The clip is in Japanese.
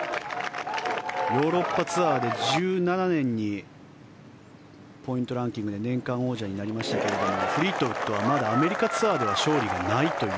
ヨーロッパツアーで１７年にポイントランキングで年間王者になりましたけれどフリートウッドはまだアメリカツアーでは勝利がないという。